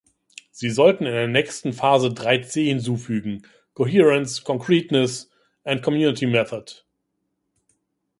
Sie sollten in der nächsten Phase drei C hinzufügen Coherence, Concreteness and Community method!